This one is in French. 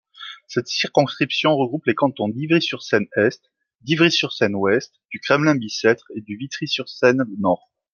Cette circonscription regroupe les cantons d'Ivry-sur-Seine-Est, d'Ivry-sur-Seine-Ouest, du Kremlin-Bicêtre et de Vitry-sur-Seine-Nord.